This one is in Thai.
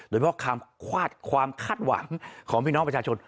โดยเพราะความคาดหวังของพี่น้องประชาชน